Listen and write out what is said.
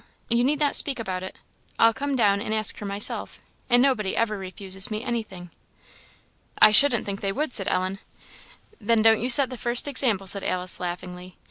You need not speak about it; I'll come down and ask her myself, and nobody ever refuses me anything." "I shouldn't think they would," said Ellen. "Then, don't you set the first example," said Alice, laughingly.